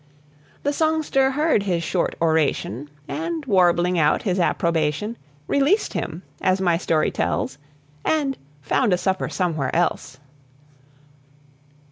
The songster heard his short oration, And warbling out his approbation, Released him, as my story tells, And found a supper somewhere else.